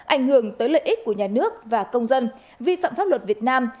ảnh hưởng tới lợi ích của nhà nước và công dân vi phạm pháp luật việt nam